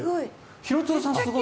廣津留さんすごい。